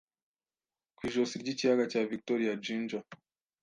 ku ijosi ry'ikiyaga cya Victoria Jinja